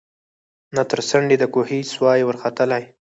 نه تر څنډی د کوهي سوای ورختلای